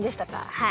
はい。